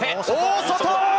大外。